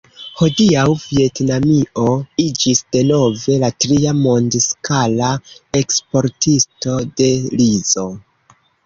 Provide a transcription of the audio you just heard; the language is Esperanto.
Hodiaŭ Vjetnamio iĝis denove la tria mondskala eksportisto de rizo.